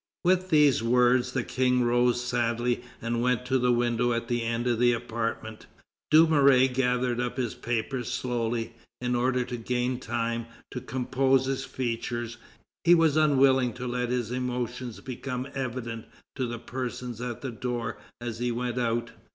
With these words the King rose sadly, and went to a window at the end of the apartment. Dumouriez gathered up his papers slowly, in order to gain time to compose his features; he was unwilling to let his emotion become evident to the persons at the door as he went out.